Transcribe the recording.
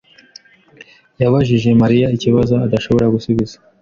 yabajije Mariya ikibazo adashobora gusubiza.